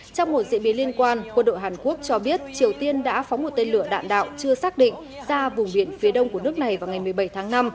trong một diễn biến liên quan quân đội hàn quốc cho biết triều tiên đã phóng một tên lửa đạn đạo chưa xác định ra vùng biển phía đông của nước này vào ngày một mươi bảy tháng năm